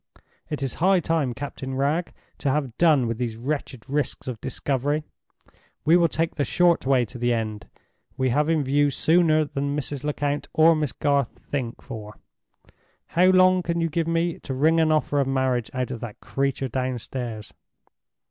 It is high time, Captain Wragge, to have done with these wretched risks of discovery. We will take the short way to the end we have in view sooner than Mrs. Lecount or Miss Garth think for. How long can you give me to wring an offer of marriage out of that creature downstairs?"